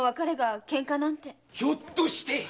ひょっとして。